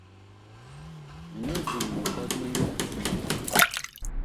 Minig diŋ mipɔt mi ngila nsɛŋ.